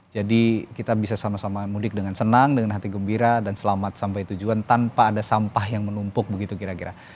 jadi kita bisa sama sama mudik dengan senang dengan hati gembira dan selamat sampai tujuan tanpa ada sampah yang menumpuk begitu kira kira